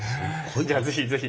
じゃあ是非是非。